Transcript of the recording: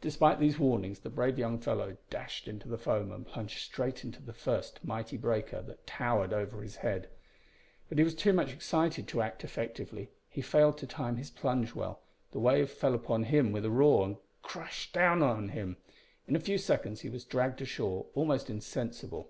Despite these warnings the brave young fellow dashed into the foam, and plunged straight into the first mighty breaker that towered over his head. But he was too much excited to act effectively. He failed to time his plunge well. The wave fell upon him with a roar and crushed him down. In a few seconds he was dragged ashore almost insensible.